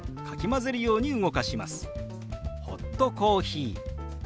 「ホットコーヒー」。